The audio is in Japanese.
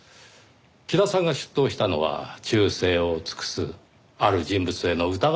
木田さんが出頭したのは忠誠を尽くすある人物への疑いを晴らすためでしょう。